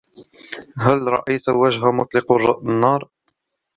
هل رأيت وجه مطلق النار؟